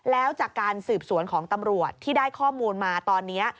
แล้วจากการสืบสวนของตำรวจที่ได้ข้อมูลมาตอนนี้